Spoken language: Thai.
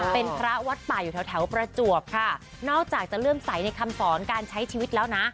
เป็นพระวัดป่าอยู่แถวแถวประจวบค่ะนอกจากจะเลื่อมใสในคำสอนการใช้ชีวิตแล้วนะ